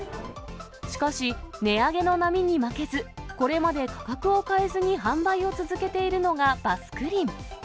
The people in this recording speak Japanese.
しかし、値上げの波に負けず、これまで価格を変えずに販売を続けているのがバスクリン。